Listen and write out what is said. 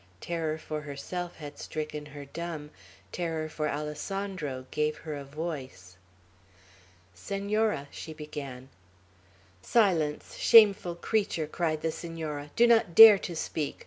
Terror for herself had stricken her dumb; terror for Alessandro gave her a voice. "Senora," she began. "Silence! Shameful creature!" cried the Senora. "Do not dare to speak!